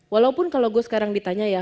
walaupun kalau gue sekarang ditanya ya